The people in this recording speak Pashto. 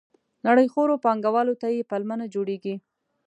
نړیخورو پانګوالو ته یې پلمه نه جوړېږي.